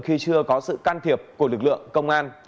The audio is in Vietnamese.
khi chưa có sự can thiệp của lực lượng công an